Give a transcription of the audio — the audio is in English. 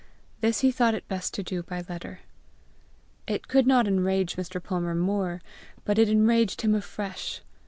This he thought it best to do by letter. It could not enrage Mr. Palmer more, but it enraged him afresh.